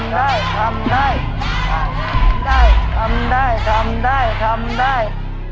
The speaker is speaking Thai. ได้ได้ทำได้ทำได้ทำได้